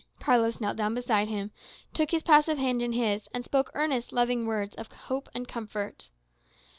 Carlos knelt down beside him, took his passive hand in his, and spoke earnest, loving words of hope and comfort.